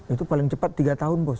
itu paling cepat tiga tahun bos